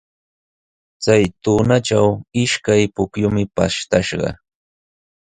Chay tunatraw ishkay pukyumi pashtashqa.